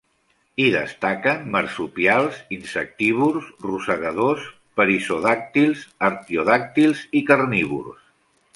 Hi destaquen marsupials, insectívors, rosegadors, perissodàctils, artiodàctils i carnívors.